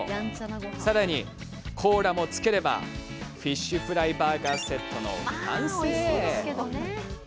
さらに、コーラもつければフィッシュフライバーガーセットの完成。